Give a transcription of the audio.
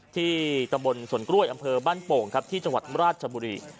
ที่ตำบลสวนกล้วยอำเภอบ้านโป่งครับที่จังหวัดราชบุรี